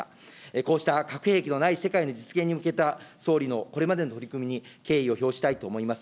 こうした核兵器のない世界の実現に向けた総理のこれまでの取り組みに敬意を表したいと思います。